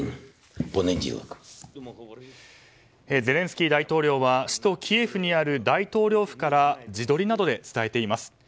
ゼレンスキー大統領は首都キエフにある大統領府から自撮りなどで伝えています。